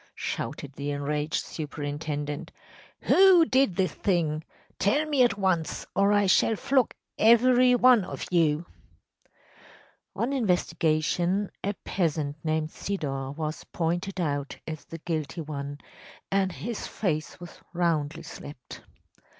‚ÄĚ shouted the enraged superintendent. “Who did this thing? Tell me at once, or I shall flog every one of you!‚ÄĚ On investigation, a peasant named Sidor was pointed out as the guilty one, and his face was roundly slapped.